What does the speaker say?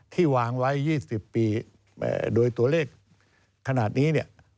ที่วางไว้๒๐ปีโดยตัวเลขขนาดนี้